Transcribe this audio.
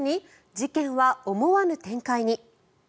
事件は思わぬ展開に。